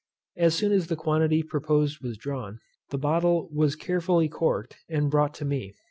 As soon as the quantity proposed was drawn, the bottle was carefully corked, and brought to me.